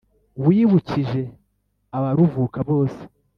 wibukije abaruvuka bose